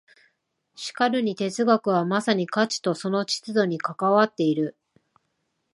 しかるに哲学はまさに価値とその秩序に関わっている。